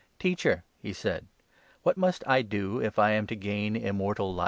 " Teacher," he said, "what must I do if I am to ' gain Immortal Life'